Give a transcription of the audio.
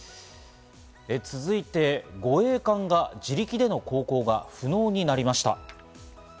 続いて護衛艦が自力での航行が不能になりました。